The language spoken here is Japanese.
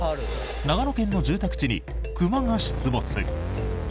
長野県の住宅地に熊が出没。